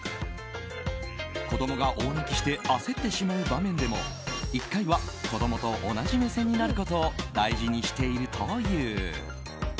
子供が大泣きして焦ってしまう場面でも１回は子供と同じ目線になることを大事にしているという。